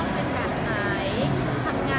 เราก็รู้สึกว่าไม่อยากไปวางครั้งเขา